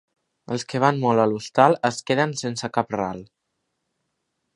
Els que van molt a l'hostal es queden sense cap ral.